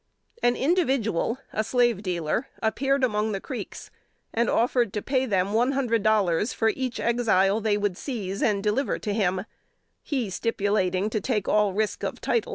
An individual, a slave dealer, appeared among the Creeks and offered to pay them one hundred dollars for each Exile they would seize and deliver to him; he stipulating to take all risk of title.